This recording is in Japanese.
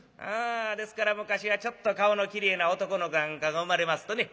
ですから昔はちょっと顔のきれいな男の子なんかが生まれますとね